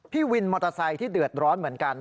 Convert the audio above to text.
พี่วินมอเตอร์ไซค์ที่เดือดร้อนเหมือนกัน